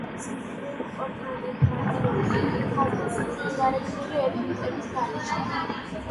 კომპოზიციის მხრივ პორტრეტები მარტივია, მშვიდი, ხაზგასმული გარეგნული ეფექტების გარეშე.